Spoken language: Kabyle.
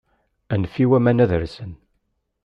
Anef i waman ad rsen.